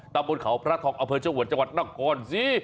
ตามบนเขาพระทองอเภิลชะวดจังหวัดนกรสิ